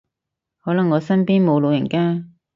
可能我身邊冇老人家